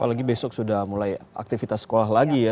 apalagi besok sudah mulai aktivitas sekolah lagi ya